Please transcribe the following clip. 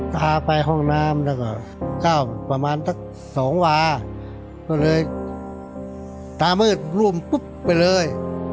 ตาไปห้องน้ำประมาณสองหวาก็เลยตามืดรุ่มปุ๊บไปเลย